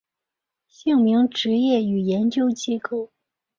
姓名职业与研究机构